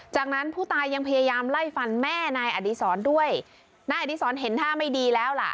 จากนั้นผู้ตายยังพยายามไล่ฟันแม่นายอดีศรด้วยนายอดีศรเห็นท่าไม่ดีแล้วล่ะ